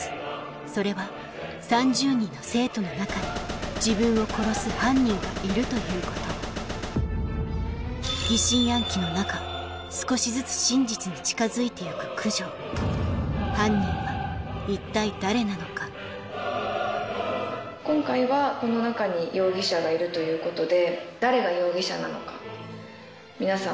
それは３０人の生徒の中に自分を殺す犯人がいるということ疑心暗鬼の中犯人は一体誰なのか今回はこの中に容疑者がいるということで。